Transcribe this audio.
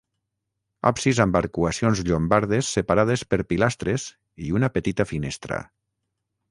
Absis amb arcuacions llombardes separades per pilastres i una petita finestra.